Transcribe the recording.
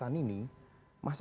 mas anies ini mobilnya jatuh